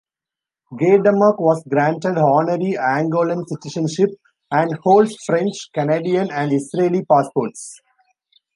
Gaydamack was granted honorary Angolan citizenship and holds French, Canadian and Israeli passports.